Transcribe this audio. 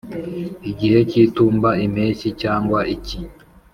igihe cy'itumba, impeshyi, cyangwa icyi